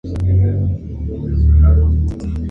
La iglesia está dedicada a los santos Cornelio y Cipriano.